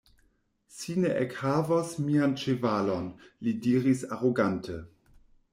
Si ne ekhavos mian ĉevalon, li diris arogante.